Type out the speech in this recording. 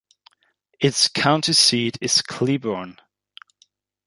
Its county seat is Cleburne.